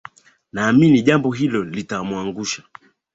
naamini jambo hilo litamuangusha